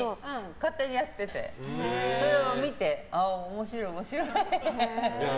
勝手にやっててそれを見てああ、面白い、面白いって。